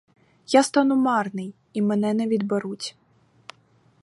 Я стану марний, і мене не відберуть.